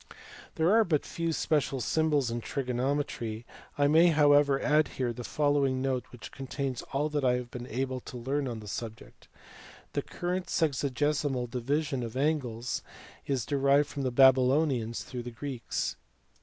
There are but few special symbols in trigonometry, I may however add here the following note which contains all that I have been able to learn on the subject. The current sexagesimal division of angles is derived from the Babylonians through the Greeks.